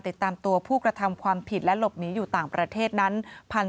ติดตามตัวผู้กระทำความผิดและหลบหนีอยู่ต่างประเทศนั้น